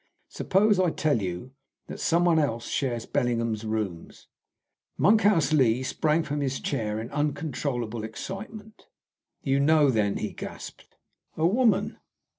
"Suppose I tell you that some one else shares Bellingham's rooms." Monkhouse Lee sprang from his chair in uncontrollable excitement. "You know, then?" he gasped. "A woman."